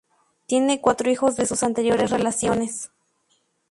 Tiene cuatro hijos de sus anteriores relaciones.